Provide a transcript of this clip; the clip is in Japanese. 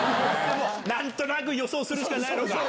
なんとなく予想するしかないのか？